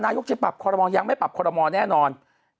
นายกจะปรับคอรมอลยังไม่ปรับคอรมอลแน่นอน